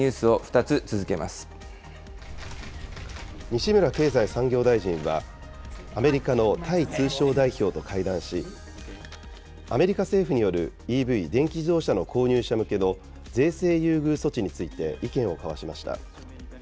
西村経済産業大臣は、アメリカのタイ通商代表と会談し、アメリカ政府によるＥＶ・電気自動車の購入者向けの税制優遇措置について意見を交わしました。